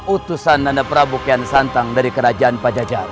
uttusan nanda prabukyaan santang dari kerajaan paja jaran